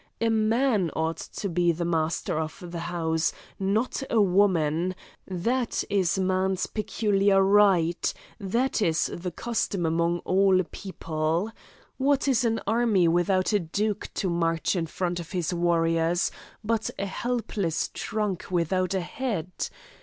A man ought to be master of the house, not a woman, that is man's peculiar right, that is the custom among all people. What is an army without a duke to march in front of his warriors, but a helpless trunk without a head?